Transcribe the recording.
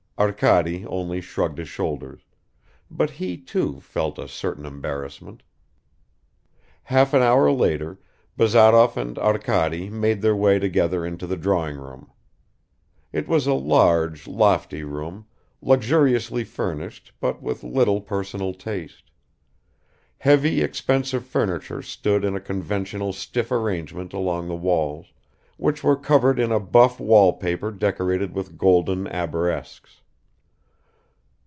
Arkady only shrugged his shoulders ... but he, too, felt a certain embarrassment. Half an hour later Bazarov and Arkady made their way together into the drawing room. It was a large lofty room, luxuriously furnished but with little personal taste. Heavy expensive furniture stood in a conventional stiff arrangement along the walls, which were covered in a buff wall paper decorated with golden arabesques.